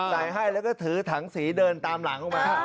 ใส่ให้แล้วก็ถือถังสีเดินตามหลังออกมา